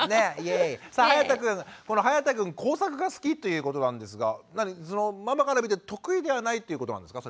さあはやたくん工作が好きということなんですがママから見て得意ではないということなんですか？